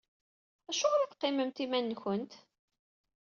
Acuɣeṛ i teqqimemt iman-nkent?